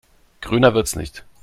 Grüner wird's nicht.